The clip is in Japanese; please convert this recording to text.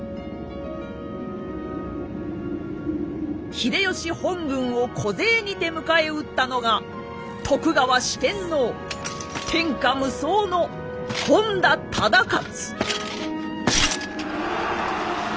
秀吉本軍を小勢にて迎え撃ったのが徳川四天王天下無双の本多忠勝！